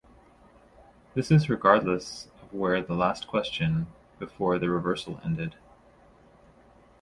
This is regardless of where the last question before the reversal ended.